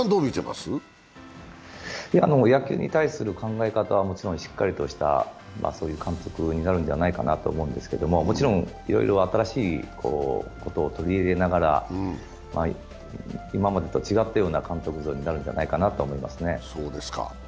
野球に対する考え方はもちろんしっかりとした監督になるんじゃないかと思いますけど、もちろん、いろいろ新しいことを取り入れながら、今までと違ったような監督像になるんじゃないかなと思いますね。